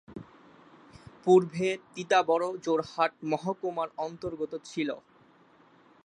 পুর্বে তিতাবড় যোরহাট মহকুমার অন্তর্গত ছিল।